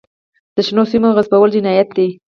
د شنو سیمو غصبول جنایت دی.